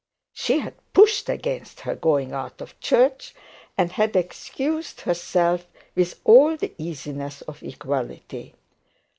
She had pushed against her going out of church, and had excused herself with all the easiness of equality.